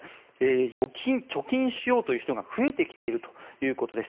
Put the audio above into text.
預金、貯金しようという人が増えてきているということです。